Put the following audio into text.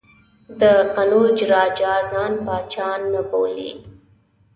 د قنوج راجا ځان پاچا نه بولي.